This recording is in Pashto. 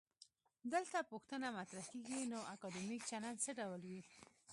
دلته پوښتنه مطرح کيږي: نو اکادمیک چلند څه ډول وي؟